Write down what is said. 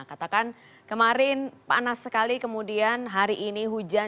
katakan kemarin panas sekali kemudian hari ini hujan